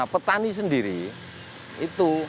petani sendiri itu